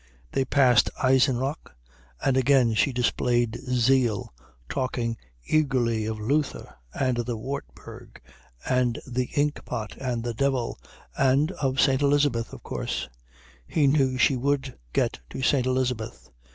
They passed Eisenach; and again she displayed zeal, talking eagerly of Luther and the Wartburg and the inkpot and the devil and of St. Elizabeth, of course: he knew she would get to St. Elizabeth.